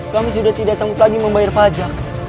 kami sudah tidak sanggup lagi membayar pajak